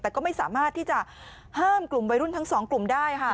แต่ก็ไม่สามารถที่จะห้ามกลุ่มวัยรุ่นทั้งสองกลุ่มได้ค่ะ